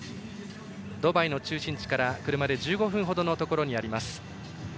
ドバイの中心地から車で１５分ほどのところにあります。